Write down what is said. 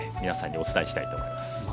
皆さんにお伝えしたいと思います。